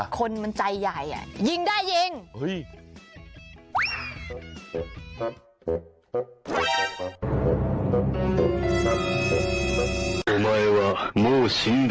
คนมันใจใหญ่ยิงได้ยิง